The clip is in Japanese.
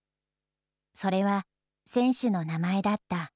それは選手の名前だった。